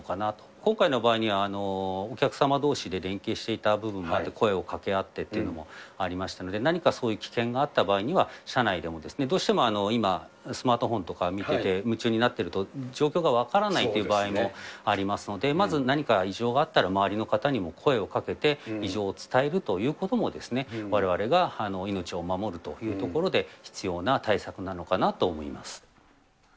今回の場合には、お客様どうしで連携していた部分もあって、声をかけ合ってというのもありましたので、何かそういう危険があった場合には、車内でも、どうしても今スマートフォンとか見てて、夢中になっていると、状況が分からないという場合もありますので、まず何か異常があったら周りの方にも声をかけて、異常を伝えるということも、われわれが命を守るというところで必要な対策なのかなと思います。